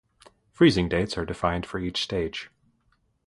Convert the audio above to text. Freezing dates are defined for each stage.